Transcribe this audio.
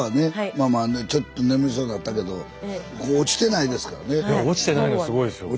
まあまあちょっと眠りそうになったけど落ちてないのすごいですようん。